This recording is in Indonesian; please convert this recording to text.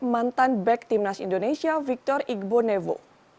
mantan back timnas indonesia victor igbo nevo